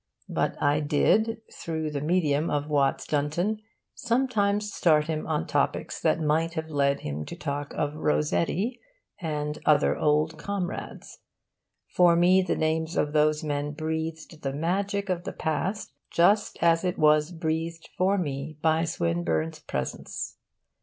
But I did, through the medium of Watts Dunton, sometimes start him on topics that might have led him to talk of Rossetti and other old comrades. For me the names of those men breathed the magic of the past, just as it was breathed for me by Swinburne's presence.